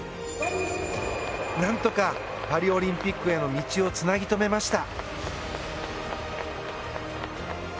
何とかパリオリンピックへの道をつなぎ留めました。